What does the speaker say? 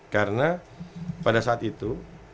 karena pada saat itu